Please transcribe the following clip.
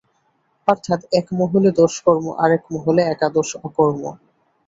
অর্থাৎ এক মহলে দশকর্ম, আর-এক মহলে একাদশ অকর্ম।